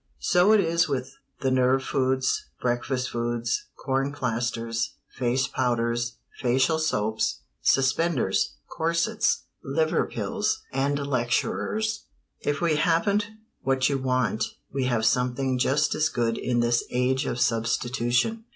So it is with the nerve foods, breakfast foods, corn plasters, face powders, facial soaps, suspenders, corsets, liver pills, and lecturers. If we haven't what you want, we have something just as good in this Age of Substitution.